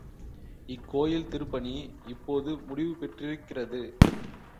இக்கோயில் திருப்பணி இப்போது முடிவு பெற்றிருக்கிறது.